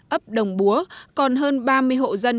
ấp đồng búa còn hơn ba mươi hộ dân